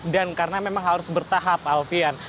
dan karena memang harus bertahap alfian